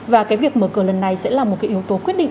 và cái việc mở cửa lần này sẽ là một cái yếu tố quyết định